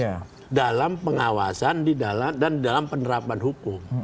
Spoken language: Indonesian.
harus tegas dalam pengawasan dan dalam penerapan hukum